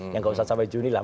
yang nggak usah sampai juni lah